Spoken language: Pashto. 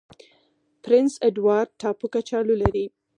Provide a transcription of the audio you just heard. پرنس اډوارډ ټاپو کچالو لري.